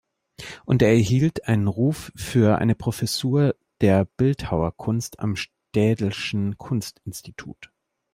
Und er erhielt einen Ruf für eine Professur der Bildhauerkunst am Städelschen-Kunst-Institut.